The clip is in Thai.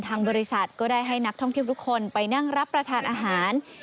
บริษัทก็ได้ให้นักท่องเที่ยวทุกคนไปนั่งรับประทานอาหาร